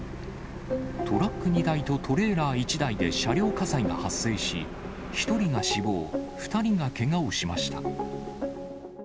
トラック２台とトレーラー１台で車両火災が発生し、１人が死亡、２人がけがをしました。